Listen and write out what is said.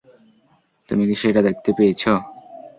তুমি কি সেটা দেখতে পেয়েছো?